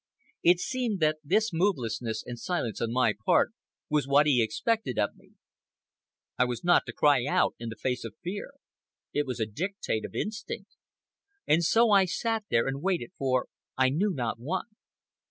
It seemed that this movelessness and silence on my part was what was expected of me. I was not to cry out in the face of fear. It was a dictate of instinct. And so I sat there and waited for I knew not what.